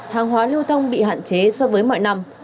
hàng hóa lưu thông bị hạn chế so với mọi năm